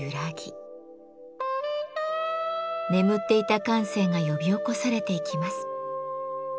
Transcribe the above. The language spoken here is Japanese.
眠っていた感性が呼び起こされていきます。